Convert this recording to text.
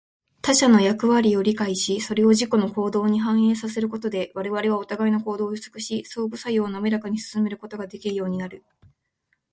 他者の役割を理解し、それを自己の行動に反映させることで、我々はお互いの行動を予測し、相互作用をなめらかに進めることができるようになる。